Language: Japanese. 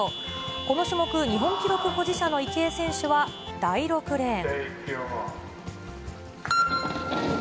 この種目、日本記録保持者の池江選手は第６レーン。